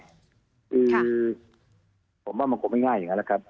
คือผมว่ามันคงไม่ง่ายอย่างนั้นนะครับ